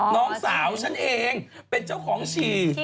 น้องสาวฉันเองเป็นเจ้าของฉี่